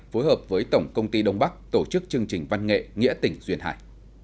phối hợp với tổng công ty đông bắc tổ chức chương trình văn nghệ nghĩa tỉnh duyên hải